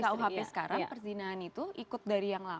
karena yang di rkuhp sekarang perzinaan itu ikut dari yang lain